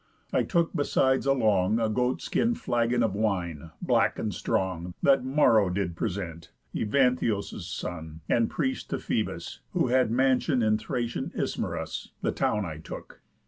I took besides along A goat skin flagon of wine, black and strong, That Maro did present, Evantheus' son, And priest to Phœbus, who had mansión In Thracian Ismarus (the town I took).